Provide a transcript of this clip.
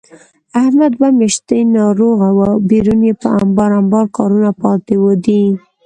احمد دوه میاشتې ناروغه و، بېرون یې په امبار امبار کارونه پاتې دي.